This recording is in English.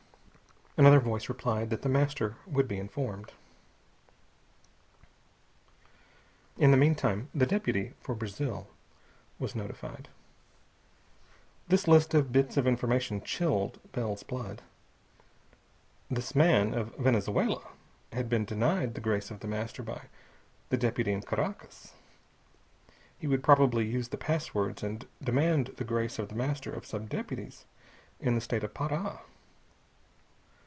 _"Another voice replied that The Master would be informed. In the meantime the deputy for Brazil was notified. This list of bits of information chilled Bell's blood. This man, of Venezuela, had been denied the grace of The Master by the deputy in Caracas. He would probably use the passwords and demand the grace of The Master of sub deputies in the State of Pará.